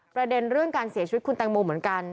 ประเด็นเรื่องการเสียชีวิตคุณแตงโมเหมือนกัน